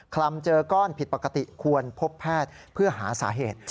ลำเจอก้อนผิดปกติควรพบแพทย์เพื่อหาสาเหตุ